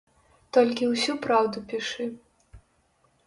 Толькі ўсю праўду пішы.